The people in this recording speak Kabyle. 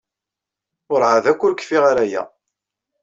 Werɛad akk ur kfiɣ ara aya.